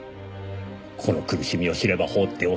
この苦しみを知れば放っておけないはず。